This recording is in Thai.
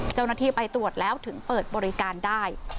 เจ้าหน้าที่ไปตรวจแล้วถึงเปิดบริการได้